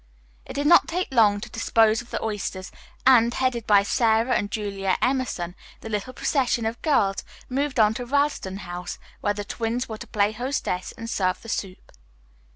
It did not take long to dispose of the oysters, and, headed by Sara and Julia Emerson, the little procession of girls moved on to Ralston House, where the twins were to play hostess and serve the soup.